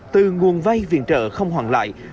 từ nguồn vay viện trợ không hoàn lại